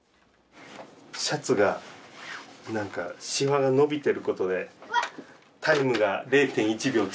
シャツが何かシワが伸びてることでタイムが０．１秒縮めば。